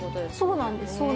そうなんです。